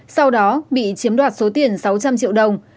gạt số tiền sáu trăm linh triệu đồng